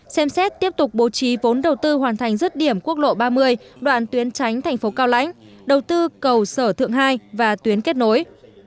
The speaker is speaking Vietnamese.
xem xét tiếp tục bố trí vốn đầu tư hoàn thành dứt điểm quốc lộ ba mươi đoạn tuyến tránh thành phố cao lãnh đầu tư cầu sở thượng hai và tuyến kết nối